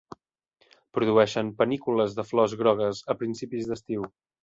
Produeixen panícules de flors grogues a principis d'estiu.